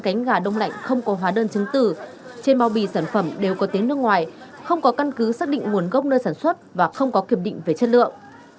hai cánh gà đông lạnh không có hóa đơn chứng tử trên bao bì sản phẩm đều có tiếng nước ngoài không có căn cứ xác định nguồn gốc nơi sản xuất và không có kiểm định về chất lượng